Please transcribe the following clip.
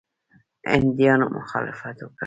هندیانو مخالفت وکړ.